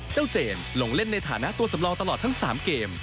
เจมส์ลงเล่นในฐานะตัวสำรองตลอดทั้ง๓เกม